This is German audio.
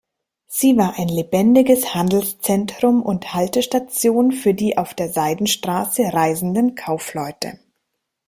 Sie war ein lebendiges Handelszentrum und Haltestation für die auf der Seidenstraße reisenden Kaufleute.